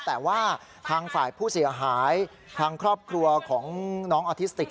แต่ว่าทางฝ่ายผู้เสียหายทางครอบครัวของน้องออทิสติก